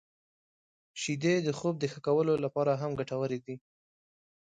• شیدې د خوب د ښه کولو لپاره هم ګټورې دي.